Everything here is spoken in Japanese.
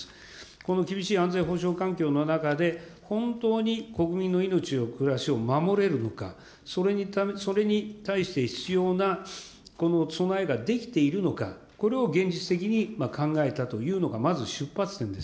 この厳しい安全保障環境の中で、本当に国民の命を、暮らしを守れるのか、それに対して必要な備えができているのか、これを現実的に考えたというのが、まず出発点です。